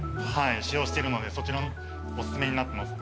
使用してるのでそちらおすすめになってます。